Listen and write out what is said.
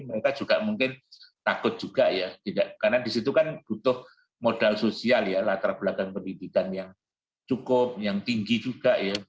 mereka juga mungkin takut juga ya karena disitu kan butuh modal sosial ya latar belakang pendidikan yang cukup yang tinggi juga ya